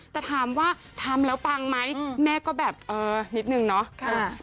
แต่ถามว่าทำแล้วปังไหมแม่ก็แบบเออนิดนึงเนาะ